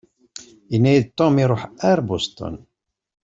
Yenna-yi-d Tom iṛuḥ ar Boston.